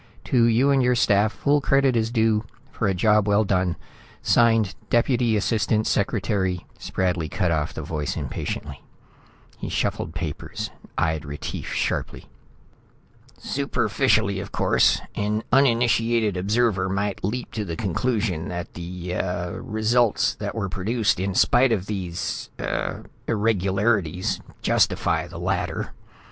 To you and your staff, full credit is due for a job well done. Signed, Deputy Assistant Secretary " Spradley cut off the voice impatiently. He shuffled papers, eyed Retief sharply. "Superficially, of course, an uninitiated observer might leap to the conclusion that the ah results that were produced in spite of these ... ah ... irregularities justify the latter."